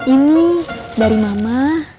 ini dari mama